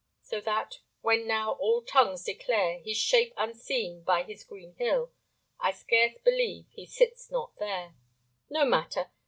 So that, when now all tongues declare His shape unseen by his green hill, I scarce believe he sits not there. No matter.